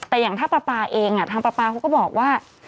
แต่อย่างถ้าปลาปลาเองทางปลาปลาเขาก็บอกว่า